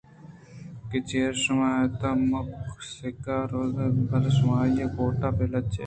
کہ چرے شہمات ءَ مگسک وَ رُکّ اِت بلے شَہمات آئی ءِ کُوٹ ءَ پر لچّ اِت